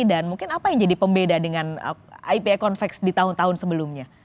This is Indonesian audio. dan mungkin apa yang jadi pembeda dengan ipa convex di tahun tahun sebelumnya